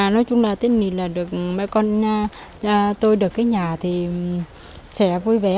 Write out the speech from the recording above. nói chung là tên này là được mẹ con tôi được cái nhà thì sẽ vui vẻ